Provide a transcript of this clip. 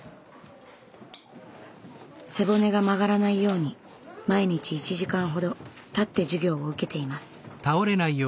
背骨が曲がらないように毎日１時間ほど立って授業を受けています。